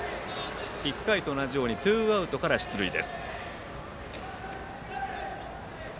１回と同じようにツーアウトから出塁です。